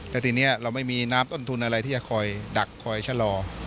แล้วทีนี้เราไม่มีน้ำต้นทุนอะไรที่จะคอยดักคอยชะลอ